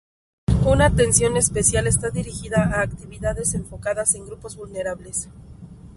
Una atención especial está dirigida a actividades enfocadas en grupos vulnerables.